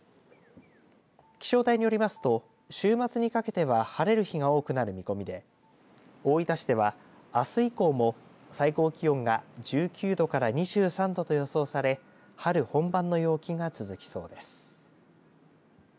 気象台によりますと週末にかけては晴れる日が多くなる見込みで大分市ではあす以降も最高気温が１９度から２３度と予想され春本番の陽気が続きそうです。